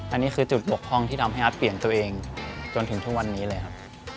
อันนี้คือจุดบกพร่องที่ทำให้อาร์ตเปลี่ยนตัวเองจนถึงทุกวันนี้เลยครับ